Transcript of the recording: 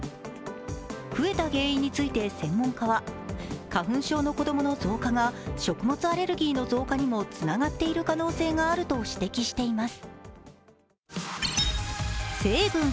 増えた原因について専門家は花粉症の子供の増加が、食物アレルギーの増加にもつながっている可能性があると指摘しています。